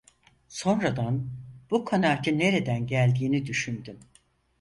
Sonradan bu kanaatin nereden geldiğini düşündüm.